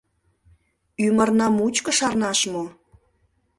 Ӱмырна мучко шарнаш мо?..